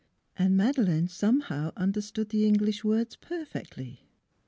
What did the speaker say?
And Madeleine some how understood the English words perfectly.